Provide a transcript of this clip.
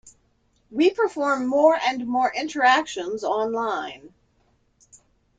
We perform more and more interactions online.